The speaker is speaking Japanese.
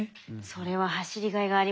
それは走りがいがありますね。